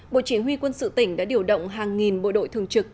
bộ chỉ huy quân sự tỉnh đã điều động hàng nghìn bộ đội thường trực